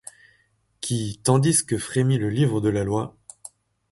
Qui, tandis que frémit le livre de la loi